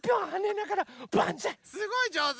すごいじょうず。